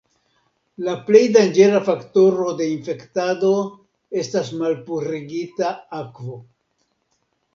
La plej danĝera faktoro de infektado estas malpurigita akvo.